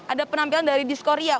ada penampilan dari dis korea